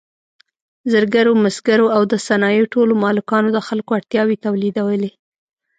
زرګرو، مسګرو او د صنایعو ټولو مالکانو د خلکو اړتیاوې تولیدولې.